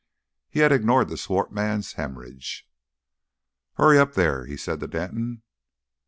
He had ignored the swart man's hæmorrhage. "Hurry up there!" he said to Denton.